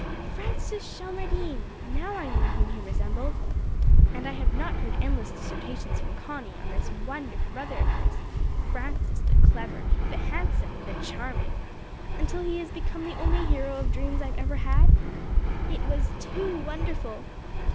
Francis Shelmardine! Now I knew whom he resembled. And have I not heard endless dissertations from Connie on this wonderful brother of hers, Francis the clever, the handsome, the charming, until he has become the only hero of dreams I have ever had? It was too wonderful.